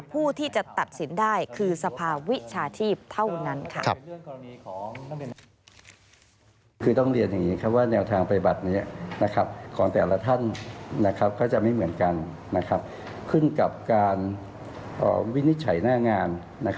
ผู้ที่จะตัดสินได้คือสภาวิชาชีพเท่านั้นค่ะ